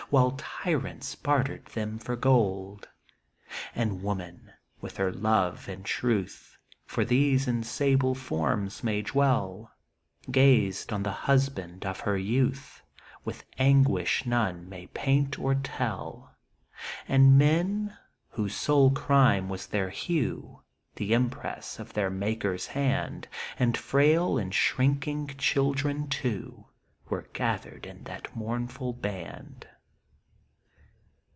While tyrants bartered them for gold. And woman, with her love and truth — For these in sable forms may dwell — GazM on the husband of her youth, With anguish none may paint or tell. And men, whose sole crime was their hue, The impress of their Maker's hand, And frail and shrinking children, too, Were gathered in that mournful band.